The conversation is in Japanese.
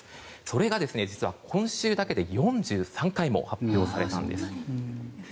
それが実は、今週だけで４３回も発表されたんです。